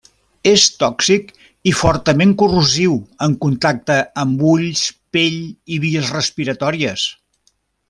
És tòxic i fortament corrosiu en contacte amb ulls, pell i vies respiratòries.